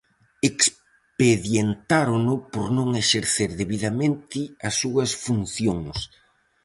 Expedientárono por non exercer debidamente as súas funcións.